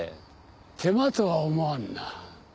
手間とは思わんな。